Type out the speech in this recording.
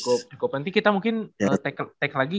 cukup cukup nanti kita mungkin take lagi